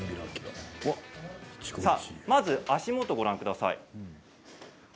まず足元をご覧ください。